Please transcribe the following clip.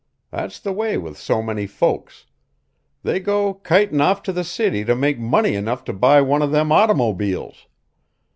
That's the way with so many folks. They go kitin' off to the city to make money enough to buy one of them automobiles.